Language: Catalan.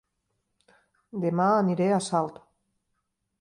Dema aniré a Salt